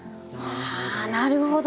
はあなるほど！